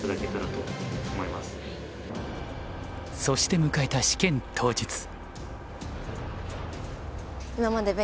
そして迎えた試験当日。